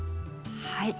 はい。